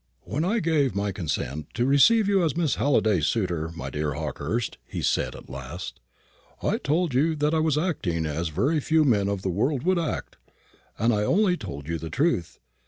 "When I gave my consent to receive you as Miss Halliday's suitor, my dear Hawkehurst," he said, at last, "I told you that I was acting as very few men of the world would act, and I only told you the truth.